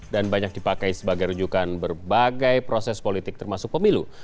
dan banyak dipakai sebagai rujukan berbagai proses politik termasuk pemilu